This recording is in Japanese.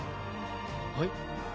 はい？